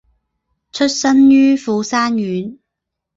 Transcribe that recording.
出身于富山县。